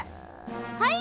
はい？